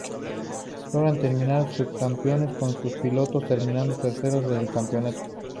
Logran terminar subcampeones, con sus pilotos terminando terceros del campeonato.